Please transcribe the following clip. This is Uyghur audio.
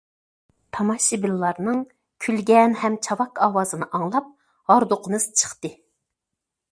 تاماشىبىنلارنىڭ كۈلگەن ھەم چاۋاك ئاۋازىنى ئاڭلاپ ھاردۇقىمىز چىقتى.